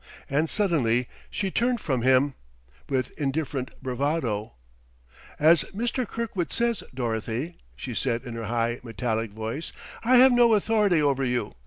And suddenly she turned from him with indifferent bravado. "As Mr. Kirkwood says, Dorothy," she said in her high, metallic voice, "I have no authority over you.